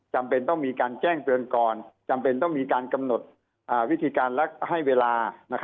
จำเป็นต้องมีการแจ้งเตือนก่อนจำเป็นต้องมีการกำหนดวิธีการและให้เวลา